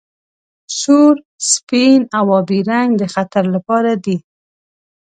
سور سپین او ابي رنګ د خطر لپاره دي.